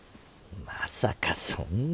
まさかそんな。